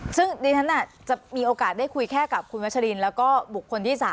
ซึ่งดิฉันจะมีโอกาสได้คุยแค่กับคุณวัชลินแล้วก็บุคคลที่๓